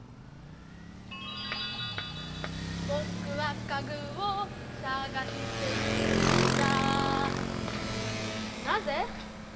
ぼくは家ぐをさがしてるんだなぜ？